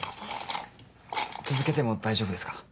続けても大丈夫ですか？